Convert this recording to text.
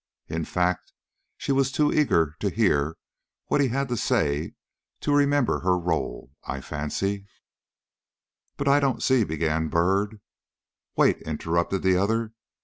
In fact, she was too eager herself to hear what he had to say to remember her rôle, I fancy." "But, I don't see " began Byrd. "Wait," interrupted the other.